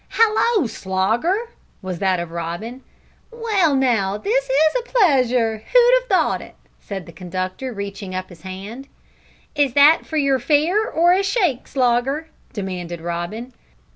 "Hallo, Slogger!" was that of Robin. "Well, now, this is a pleasure! who'd a thought it?" said the conductor, reaching up his hand. "Is that for your fare or a shake, Slogger?" demanded Robin.